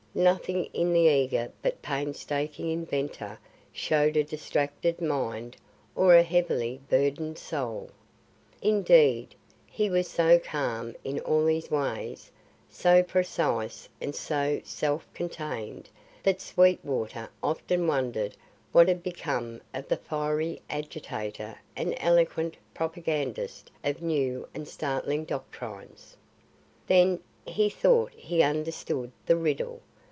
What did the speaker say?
Nothing in the eager but painstaking inventor showed a distracted mind or a heavily burdened soul. Indeed, he was so calm in all his ways, so precise and so self contained, that Sweetwater often wondered what had become of the fiery agitator and eloquent propagandist of new and startling doctrines. Then, he thought he understood the riddle.